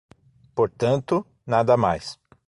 Portanto, nada mais.